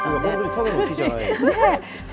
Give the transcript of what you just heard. ただの木じゃないですよね。